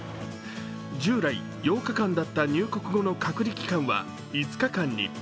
従来、８日間だった入国後の隔離期間は５日間に。